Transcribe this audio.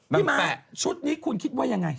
พี่มาร์ทชุดนี้คุณคิดว่ายังไง